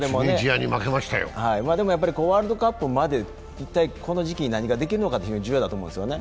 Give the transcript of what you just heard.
でも、ワールドカップまで一体この時期に何ができるのかが重要だと思うんですよね。